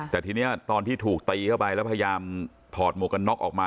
แต่ทีนี้ตอนที่ถูกตีเข้าไปแล้วพยายามถอดหมวกกันน็อกออกมา